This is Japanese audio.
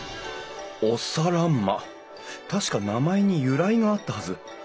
確か名前に由来があったはず。